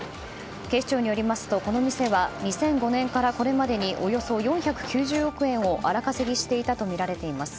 警視庁によりますとこの店は２００５年からこれまでにおよそ４９０億円を荒稼ぎしていたとみられています。